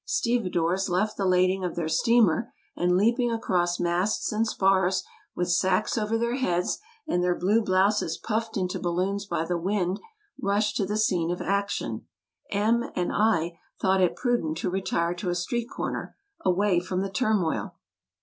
Stevedores left the lading of their steamer, and, leaping across masts and spars, with sacks over their heads and their blue blouses puffed into balloons by the wind, rushed to the scene of action. M and I thought it prudent to retire to a street corner, away from the turmoil.